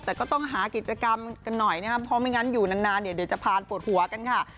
แต่ก็ต้องหากิจกรรมกันหน่อยนะครับเพราะไม่งั้นอยู่นานเดี๋ยวจะผ่านปวดหัวกันค่ะ